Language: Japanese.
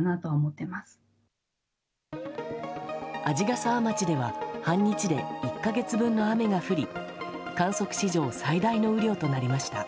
鰺ヶ沢町では半日で１か月分の雨が降り観測史上最大の雨量となりました。